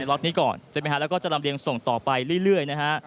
ล็อตนี้ก่อนใช่ไหมฮะแล้วก็จะลำเรียงส่งต่อไปเรื่อยนะฮะ